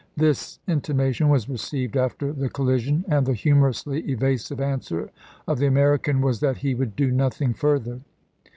This intimation was received after the collision, and the humorously evasive answer of the American was that he would do nothing fur ther.